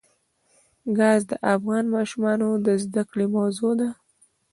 ګاز د افغان ماشومانو د زده کړې موضوع ده.